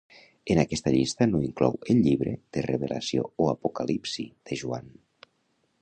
En aquesta llista no inclou el llibre de Revelació o Apocalipsi de Joan.